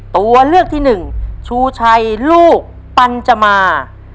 ตัวเลือกที่หนึ่งชูชัยลูกปัญจมา